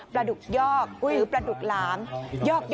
ประดุกยอกอุ๊ยประดุกหลามยอก